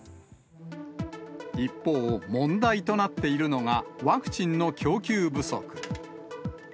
一方、問題となっているのがワクチンの供給不足。